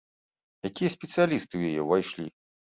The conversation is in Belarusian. Якія спецыялісты ў яе ўвайшлі?